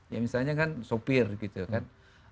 ya misalnya kan sopir gitu kan